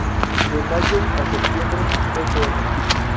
De mayo a septiembre, fr.